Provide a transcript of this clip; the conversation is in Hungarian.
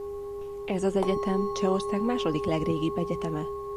Ez az egyetem Csehország második legrégibb egyeteme.